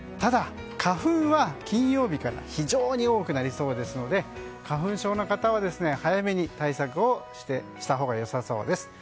ただ、花粉は金曜日から非常に多くなりそうで花粉症の方は早めに対策をしたほうが良さそうです。